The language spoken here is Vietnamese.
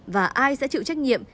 và ai sẽ chịu trách nhiệm